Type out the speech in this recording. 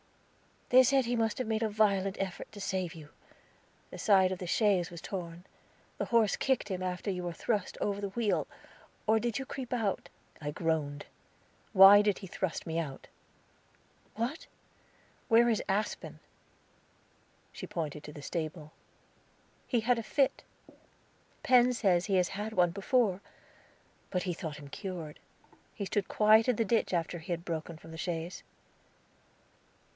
"They said he must have made a violent effort to save you. The side of the chaise was torn. The horse kicked him after you were thrust out over the wheel. Or did you creep out?" I groaned. "Why did he thrust me out?" "What?" "Where is Aspen?" She pointed to the stable. "He had a fit. Penn says he has had one before; but he thought him cured. He stood quiet in the ditch after he had broken from the chaise."